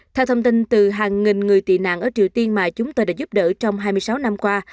theo thông tin từ hàng nghìn người tị nạn ở triều tiên mà chúng tôi đã giúp đỡ trong hai mươi sáu năm qua